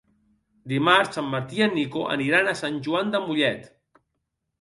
Dimarts en Martí i en Nico aniran a Sant Joan de Mollet.